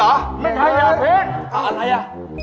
อะไรน่ะ